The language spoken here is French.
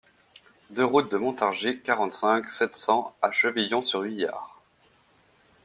deux route de Montargis, quarante-cinq, sept cents à Chevillon-sur-Huillard